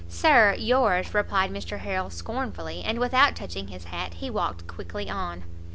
"Sir yours," replied Mr Harrel scornfully, and without touching his hat he walked quickly on.